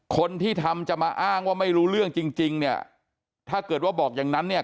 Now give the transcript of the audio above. คนที่ทำจะมาอ้างว่าไม่รู้เรื่องจริงจริงเนี่ยถ้าเกิดว่าบอกอย่างนั้นเนี่ย